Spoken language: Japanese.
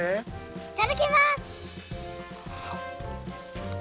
いただきます！